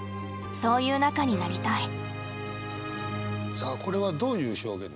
さあこれはどういう表現ですか？